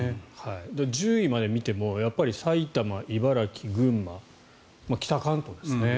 １０位まで見ても埼玉、茨城群馬、北関東ですね。